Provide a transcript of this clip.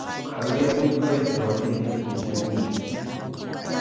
Qhaliyapuspayki wasiykita kutipunki.